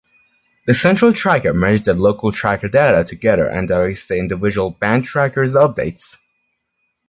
The central tracker merges the local tracker data together and directs the individual-band-trackers' updates.